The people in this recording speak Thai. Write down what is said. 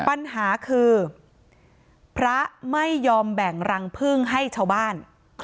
ปัญหาคือพระไม่ยอมแบ่งรังพึ่งให้ชาวบ้าน